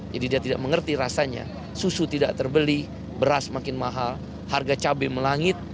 jadi dia tidak mengerti rasanya susu tidak terbeli beras makin mahal harga cabai melangit